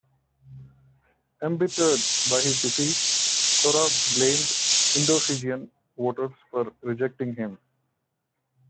Embittered by his defeat, Tora blamed Indo-Fijian voters for rejecting him.